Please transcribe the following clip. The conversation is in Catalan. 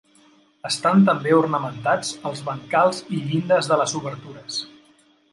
Estan també ornamentats els brancals i llindes de les obertures.